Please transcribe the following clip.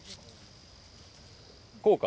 こうか。